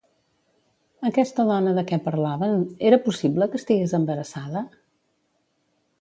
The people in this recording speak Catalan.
Aquesta dona de què parlaven, era possible que estigués embarassada?